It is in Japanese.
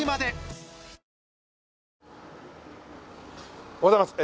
おはようございます。